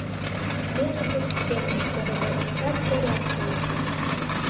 Пеле пычкемыш коридорыштат порядке уке.